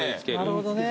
なるほどね。